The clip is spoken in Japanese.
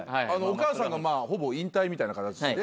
お母さんがほぼ引退みたいな形で。